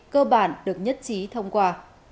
cơ bản được nhất trí thông qua